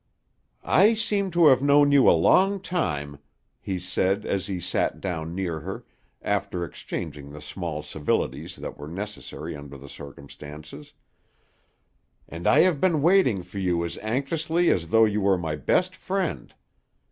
"I seem to have known you a long time," he said, as he sat down near her, after exchanging the small civilities that were necessary under the circumstances, "and I have been waiting for you as anxiously as though you were my best friend.